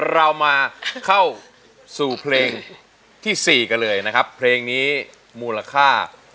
เรามาเข้าสู่เพลงที่๔กันเลยนะครับเพลงนี้มูลค่า